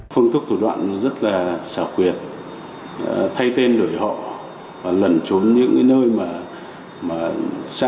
phương thức thủ đoạn rất là xảo quyệt thay tên đổi họ lần trốn những nơi xa khỏi nơi cư trú